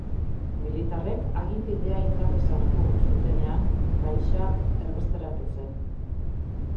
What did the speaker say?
Militarrek aginpidea indarrez hartu zutenean, Parisa erbesteratu zen.